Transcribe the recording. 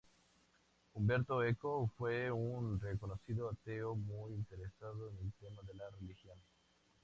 Umberto Eco fue un reconocido ateo, muy interesado en el tema de la religión.